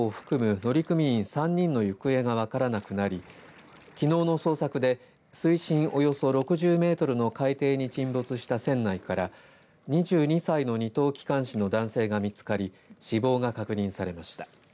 乗組員３人の行方が分からなくなりきのうの捜索で水深およそ６０メートルの海底に沈没した船内から２２歳の２等機関士の男性が見つかり死亡が確認されました。